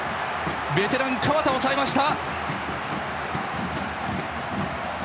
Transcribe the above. ベテラン、河田抑えました。